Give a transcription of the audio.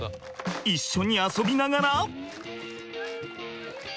一緒に遊びながら。